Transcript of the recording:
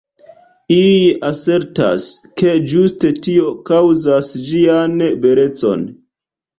Iuj asertas, ke ĝuste tio kaŭzas ĝian belecon.